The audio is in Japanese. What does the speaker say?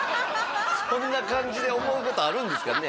そんな感じで思うことあるんですかね？